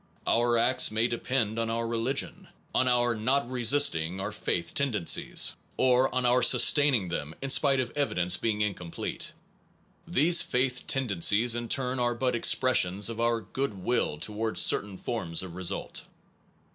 Our acts may depend on our religion, on our not resisting our faith 223 APPENDIX b* tendencies, or on our sustaining them in spite of evidence being incomplete. These faith tenden cies in turn are but expressions of our good will towards certain forms of result.